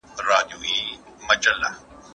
د سړي عمل هغه ته څه ډول سزا ورکوي؟